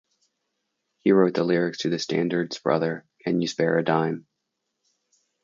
He wrote the lyrics to the standards Brother, Can You Spare a Dime?